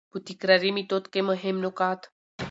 په تکراري ميتود کي مهم نقاط: